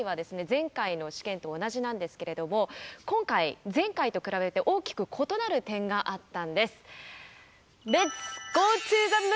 前回の試験と同じなんですけれども今回前回と比べて大きく異なる点があったんです。